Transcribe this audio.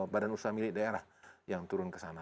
badan usaha milik daerah yang turun ke sana